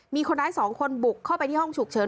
มีคนร้าย๒คนบุกเข้าไปที่ห้องฉุกเฉิน